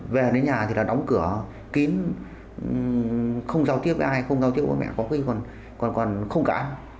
về đến nhà thì là đóng cửa kín không giao tiếp với ai không giao tiếp với mẹ có khi còn còn không cả ai